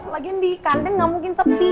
lagian di kanten gak mungkin sepi